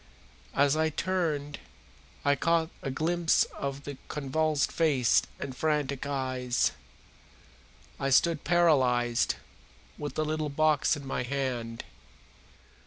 As I turned I caught a glimpse of a convulsed face and frantic eyes. I stood paralyzed, with the little box in my hand.